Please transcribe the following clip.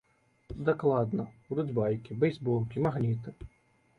Дакладна будуць байкі, бейсболкі, магніты.